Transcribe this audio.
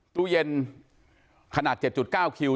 ตู้เย็นขนาด๗๙คิว